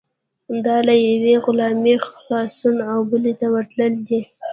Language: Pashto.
دا له یوې غلامۍ خلاصون او بلې ته ورتلل دي.